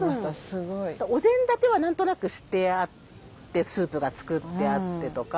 すごい。お膳立ては何となくしてあってスープが作ってあってとか。